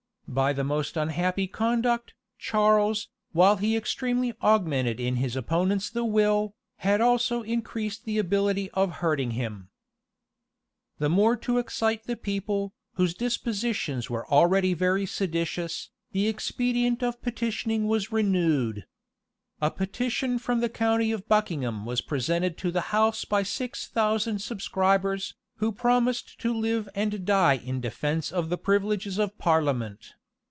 By the most unhappy conduct, Charles, while he extremely augmented in his opponents the will, had also increased the ability of hurting him. * Dugdale, p. 84. Rush, vol v. p. 484, 488, 492, etc. The more to excite the people, whose dispositions were already very seditious, the expedient of petitioning was renewed. A petition from the county of Buckingham was presented to the house by six thousand subscribers, who promised to live and die in defence of the privileges of parliament.